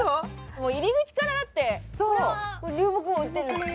もう入り口からだってこれは流木を売ってるんですか？